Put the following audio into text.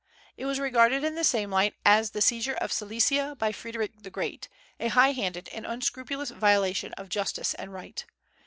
It was regarded in the same light as the seizure of Silesia by Frederic the Great, a high handed and unscrupulous violation of justice and right.